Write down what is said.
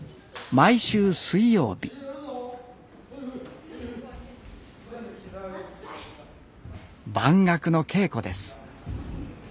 毎週水曜日「番楽」の稽古です